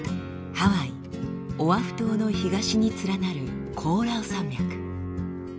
ハワイオアフ島の東に連なるコオラウ山脈。